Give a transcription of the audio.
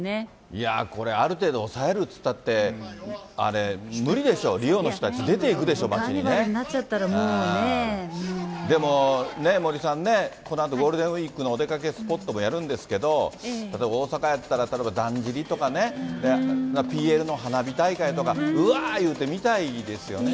いやこれ、ある程度抑えるっていったって、無理でしょう、リオの人たち、出カーニバルになっちゃったら、でも、森さんね、このあとゴールデンウィークのお出かけスポットもやるんですけど、例えば大阪やったら、例えばだんじりとかね、ＰＬの花火大会とか、うわー言うて見たいですよね。